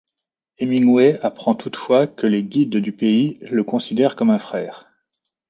Hemingway apprend toutefois que les guides du pays le considèrent comme un frère.